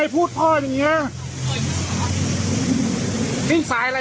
เองพูดอย่างนี้